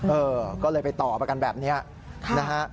เออก็เลยไปต่อประกันแบบนี้นะฮะ